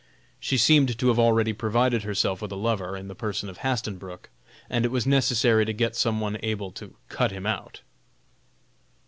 She seemed to have already provided herself with a lover, in the person of Hastenbrook, and it was necessary to get some one able to "cut him out."